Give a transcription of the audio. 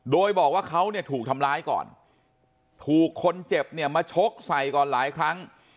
โดยบอกว่าเขาเนี่ยถูกทำร้ายก่อนถูกคนเจ็บเนี่ยมาชกใส่ก่อนหลายครั้ง